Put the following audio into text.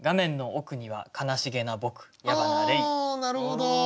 なるほど！